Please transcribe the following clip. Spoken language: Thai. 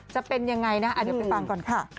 จะเป็นยังไงนะเดี๋ยวไปฟังก่อนค่ะ